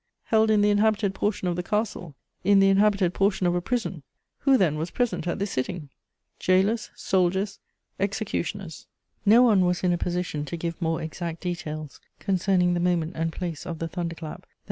Held in the inhabited portion of the castle, in the inhabited portion of a prison! Who, then, was present at this sitting? Gaolers, soldiers, executioners!" * No one was in a position to give more exact details concerning the moment and place of the thunder clap than M.